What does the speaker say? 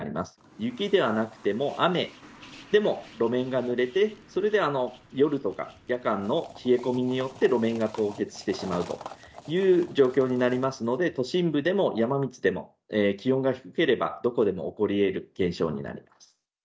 雪ではなくても、雨でも路面がぬれて、それで夜とか夜間の冷え込みによって路面が凍結してしまうという状況になりますので、都心部でも山道でも、気温が低ければどこでも起こりえる現象になります。